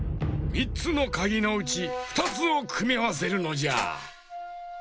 ３つのかぎのうち２つをくみあわせるのじゃ。